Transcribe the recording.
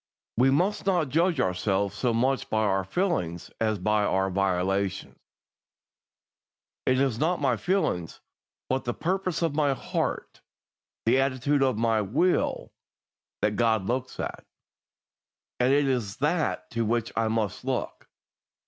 We must not judge ourselves so much by our feelings as by our volitions. It is not my feelings, but the purpose of my heart, the attitude of my will, that God looks at, and it is that to which I must look.